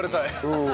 うん。